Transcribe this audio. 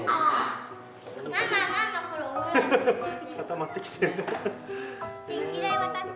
固まってきてる。